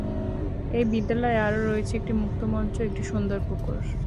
এই বিদ্যালয়ে আরো রয়েছে একটি মুক্ত মঞ্চ ও একটি সুন্দর পুকুর।